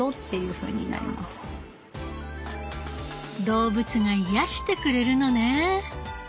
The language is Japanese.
動物が癒やしてくれるのね。